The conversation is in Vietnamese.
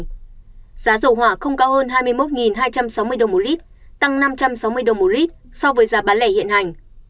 giá dầu hỏa không cao hơn hai mươi một hai trăm sáu mươi đồng một lít tăng năm trăm sáu mươi đồng một lít so với giá bán lẻ hiện hành